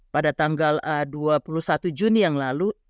pada tanggal dua puluh satu juni yang lalu